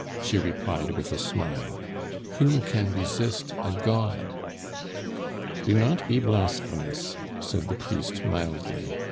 she replied with a smile. "Who can resist a god?" "Do not be blasphemous," said the priest mildly.